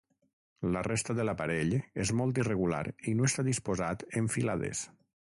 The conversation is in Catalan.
La resta de l'aparell és molt irregular i no està disposat en filades.